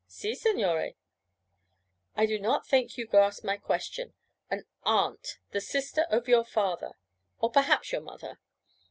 'Si, signore.' 'I do not think you grasp my question. An aunt the sister of your father, or perhaps your mother.'